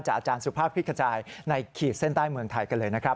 อาจารย์สุภาพคลิกขจายในขีดเส้นใต้เมืองไทยกันเลยนะครับ